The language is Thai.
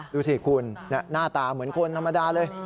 ดูสิคุณหน้าตาเหมือนคนธรรมดาเลย